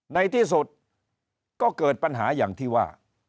ในที่สุดก็เกิดปัญหาอย่างที่ว่า